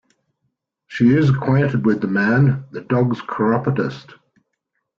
She is acquainted with the man, the dogs' chiropodist.